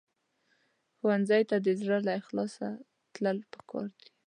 ښوونځی ته د زړه له اخلاصه تلل پکار دي